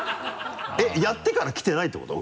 えっやってから来てないってこと？